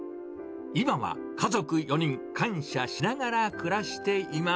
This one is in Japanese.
今は家族４人、感謝しながら暮らしています。